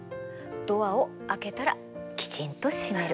ドアを開けたらきちんと閉める！